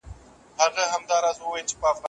چېري د بشري حقونو شورا غونډي کوي؟